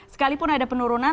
sekalipun ada penurunan